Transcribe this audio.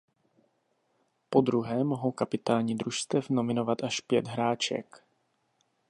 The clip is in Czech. Podruhé mohou kapitáni družstev nominovat až pět hráček.